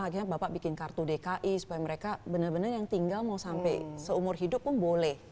akhirnya bapak bikin kartu dki supaya mereka benar benar yang tinggal mau sampai seumur hidup pun boleh